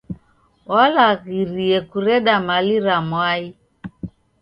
W'alaghirie kureda mali ra mwai.